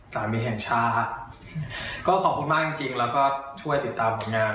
สามีแห่งชาติก็ขอบคุณมากจริงจริงแล้วก็ช่วยติดตามผลงาน